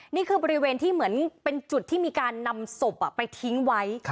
นี่คือบริเวณที่เหมือนเป็นจุดที่มีการนำศพไปทิ้งไว้